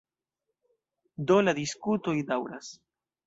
Do la diskutoj daŭras.